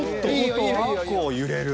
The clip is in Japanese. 結構揺れる。